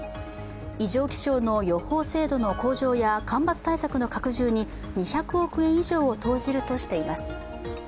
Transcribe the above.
異常気象の予報精度の向上や干ばつ対策の拡充に２００億円以上を投じるとしています